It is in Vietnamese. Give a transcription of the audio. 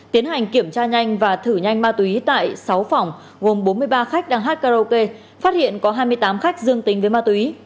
tiến hành kiểm tra nhanh và thử nhanh ma túy tại sáu phòng gồm bốn mươi ba khách đang hát karaoke phát hiện có hai mươi tám khách dương tính với ma túy